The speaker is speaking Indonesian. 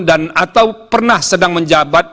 dan atau pernah sedang menjabat